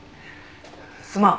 すまん。